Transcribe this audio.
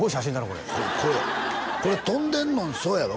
これこれ跳んでんのそうやろ？